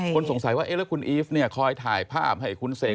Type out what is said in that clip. คนสงสัยว่าแล้วคุณอีฟคอยถ่ายภาพให้คุณเสก